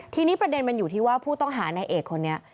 ทีนี้ประเด็นมันอยู่ที่ว่าผู้ต้องหาในเอกคนนี้